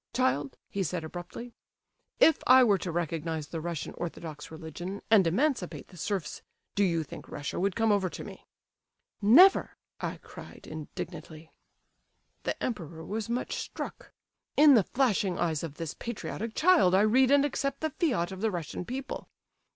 "'Child,' he said, abruptly. 'If I were to recognize the Russian orthodox religion and emancipate the serfs, do you think Russia would come over to me?'" "'Never!' I cried, indignantly." "The Emperor was much struck." "'In the flashing eyes of this patriotic child I read and accept the fiat of the Russian people.